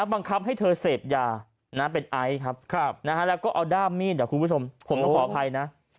บังคับให้เธอเสพยาเป็นไอ้ครับแล้วก็เอาด้ามมีดผมต้องขออภัยนะ